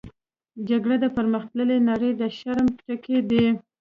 جګړه د پرمختللې نړۍ د شرم ټکی دی